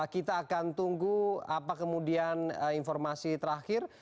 kita akan tunggu apa kemudian informasi terakhir